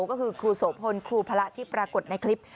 ก็คือครูโสพลครูพระที่ปรากฏในคลิป